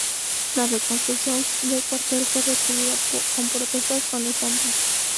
La reconstrucción del cuartel fue recibida con protestas en Estambul.